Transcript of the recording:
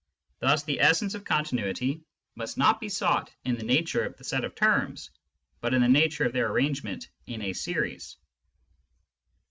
Thus the essence of continuity must not be sought in the nature of the set of terms, but in the nature of their arrangement in a series.